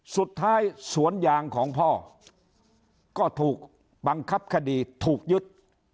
สวนยางของพ่อก็ถูกบังคับคดีถูกยึด